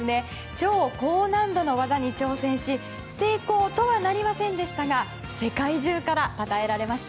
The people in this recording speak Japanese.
超高難度の技に挑戦し成功とはなりませんでしたが世界中からたたえられました。